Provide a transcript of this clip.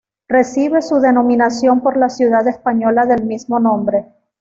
Recibe su denominación por la ciudad española del mismo nombre.